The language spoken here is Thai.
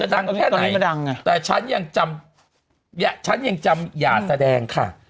ดังแค่ไหนแต่ฉันยังจำฉันยังจำอย่าแสดงค่ะ